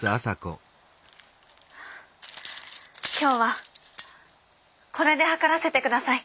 今日はこれで量らせてください。